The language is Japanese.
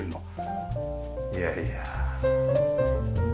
いやいや。